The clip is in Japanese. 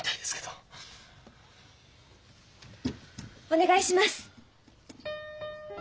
お願いします。